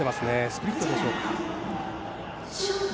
スプリットでしょうか。